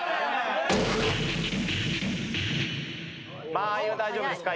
間合いは大丈夫ですか？